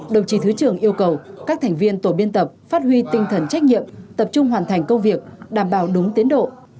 đồng chí thứ trưởng yêu cầu các thành viên tổ biên tập phát huy tinh thần trách nhiệm tập trung hoàn thành công việc đảm bảo đúng tiến độ